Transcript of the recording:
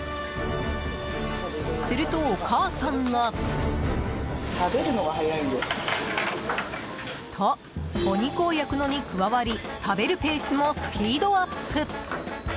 すると、お母さんが。と、お肉を焼くのに加わり食べるペースもスピードアップ。